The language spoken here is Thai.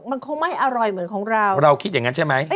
มันคงไม่อร่อยเหมือนของเราเราคิดอย่างนั้นใช่ไหม